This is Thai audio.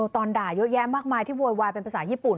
ด่าเยอะแยะมากมายที่โวยวายเป็นภาษาญี่ปุ่น